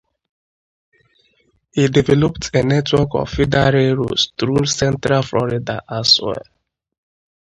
He developed a network of feeder railroads through central Florida as well.